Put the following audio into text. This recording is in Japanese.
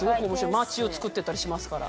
町をつくってったりしますから。